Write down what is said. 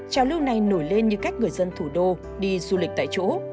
trào lưu này nổi lên như cách người dân thủ đô đi du lịch tại chỗ